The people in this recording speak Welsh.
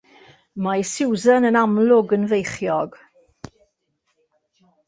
Mae Susan yn amlwg yn feichiog.